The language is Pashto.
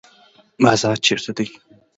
بازار چیرته دی؟